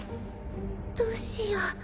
どうしよう？